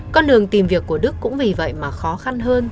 con đường tìm việc của đức cũng vì vậy mà khó khăn hơn